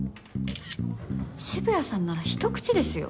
渋谷さんならひと口ですよ。